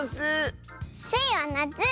スイはなつ！